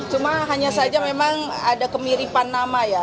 cuma hanya saja memang ada kemiripan nama ya